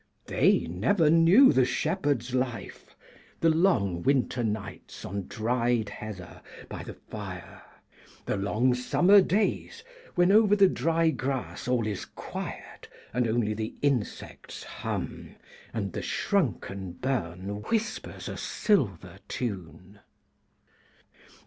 They never knew the shepherd's life, the long' winter nights on dried heather by the fire, the long summer days, when over the dry grass all is quiet, and only the insects hum, and the shrunken burn whispers a silver tune.